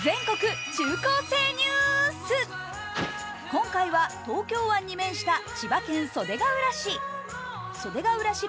今回は東京湾に面した千葉県袖ケ浦市。